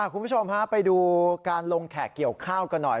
คุณผู้ชมฮะไปดูการลงแขกเกี่ยวข้าวกันหน่อย